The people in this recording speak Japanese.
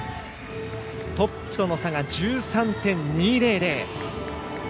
トップとの差が１３．２００。